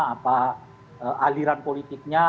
apa aliran politiknya